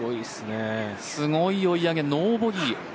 すごい追い上げ、ノーボギー。